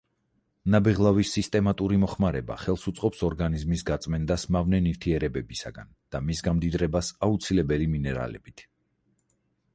ნაბეღლავის სისტემატური მოხმარება ხელს უწყობს ორგანიზმის გაწმენდას მავნე ნივთიერებებისაგან და მის გამდიდრებას აუცილებელი მინერალებით.